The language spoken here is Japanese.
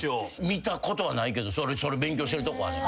見たことはないけど。勉強してるとこはね。